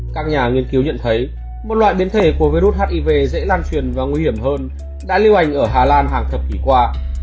các nhà nghiên cứu nhận thấy một loại biến thể của virus hiv dễ lan truyền và nguy hiểm hơn đã lưu hành ở hà lan hàng thập kỷ qua